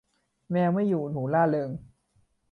แมวไม่อยู่ หนูร่าเริง